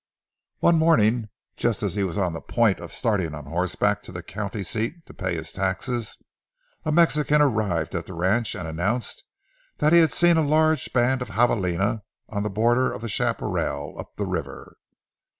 One morning just as he was on the point of starting on horseback to the county seat to pay his taxes, a Mexican arrived at the ranch and announced that he had seen a large band of javalina on the border of the chaparral up the river.